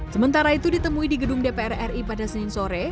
sementara itu ditemui di gedung dpr ri pada senin sore